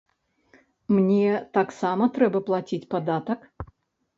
Мне таксама трэба плаціць падатак?